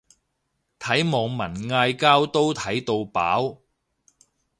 睇網民嗌交都睇到飽